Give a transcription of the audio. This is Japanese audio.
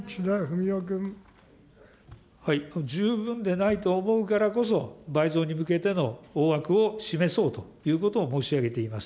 十分でないと思うからこそ、倍増に向けての大枠を示そうということを申し上げています。